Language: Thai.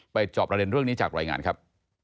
จอบประเด็นเรื่องนี้จากรายงานครับ